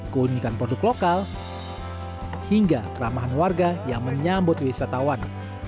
keunikan produk lokal hingga keramahan warga yang menyambut wisatawan